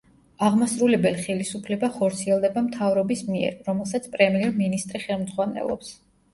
აღმასრულებელ ხელისუფლება ხორციელდება მთავრობის მიერ, რომელსაც პრემიერ-მინისტრი ხელმძღვანელობს.